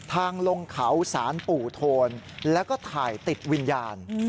ทางลงเขาสารปู่โทนแล้วก็ถ่ายติดวิญญาณ